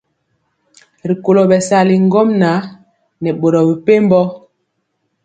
Rikolo bɛsali ŋgomnaŋ nɛ boro mepempɔ.